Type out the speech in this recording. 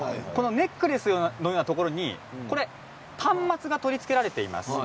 ネックレスのようなところに端末が取り付けられています。